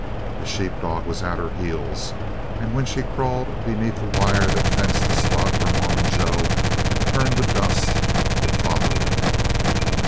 The sheep dog was at her heels, and when she crawled beneath the wire that fenced the spot where Mormon Joe had turned to dust, it followed.